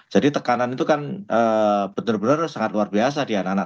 jadi tekanan itu kan benar benar sangat luar biasa di anak anak